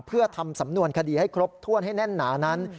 เพื่อทำสำนวนคดีให้ครบถ้วนให้แน่นหนานั้น